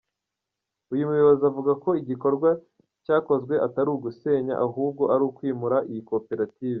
Uyu muyobozi avuga ko igikorwa cyajkozwe atari ugusenya, ahubwo ari ukwimura iyi koperative.